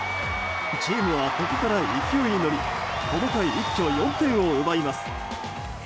チームはここから勢いに乗りこの回、一挙４点を奪います。